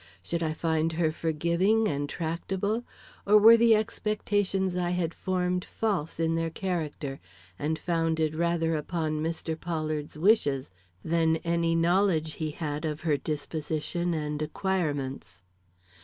Should I find her forgiving and tractable; or were the expectations I had formed false in their character and founded rather upon Mr. Pollard's wishes than any knowledge he had of her disposition and acquirements?